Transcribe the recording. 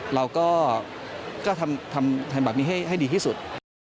เราก็ทำแบบนี้ให้ดีที่สุด